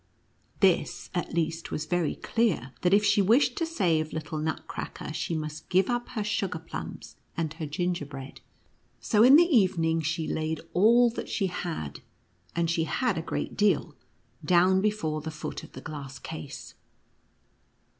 This, at least, was very clear, that if she wished to save little Nutcracker, she must give up her sugar plums and her ginger bread. So, in the evening, she laid all that she had — and she had a great deal — down before the foot of the glass case.